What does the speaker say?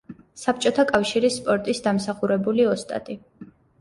საბჭოთა კავშირის სპორტის დამსახურებული ოსტატი.